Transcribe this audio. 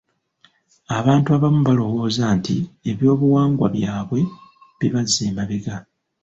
Abantu abamu balowooza nti eby'obuwangwa bwabwe bibazza emabega.